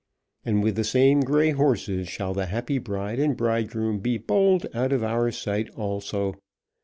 And with the same grey horses shall the happy bride and bridegroom be bowled out of our sight also.